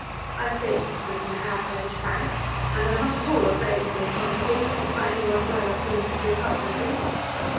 I state this as an average fact, and am not at all afraid of being contradicted by any one well acquainted with husbandry.